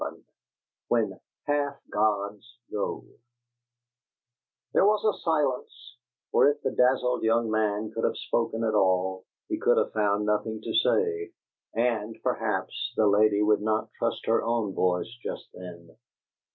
XI WHEN HALF GODS GO There was a silence, for if the dazzled young man could have spoken at all, He could have found nothing to say; and, perhaps, the lady would not trust her own voice just then.